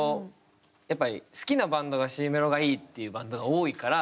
やっぱり好きなバンドがＣメロがいいっていうバンドが多いから。